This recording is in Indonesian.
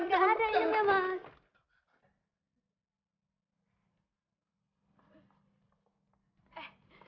nggak ada inemnya mas